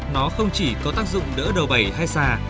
nó không chỉ có tác dụng đỡ đầu bẩy hay xà